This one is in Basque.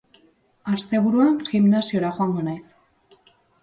Asteburuan, gimnasiora joango naiz